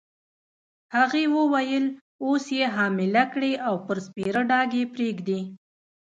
هغې وویل: اوس يې حامله کړې او پر سپېره ډاګ یې پرېږدې.